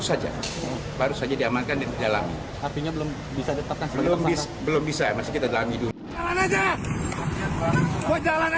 saja baru saja diamankan di dalam tapi belum bisa tetap belum bisa masih kita dalam hidup